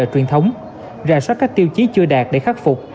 truyền thống rà soát các tiêu chí chưa đạt để khắc phục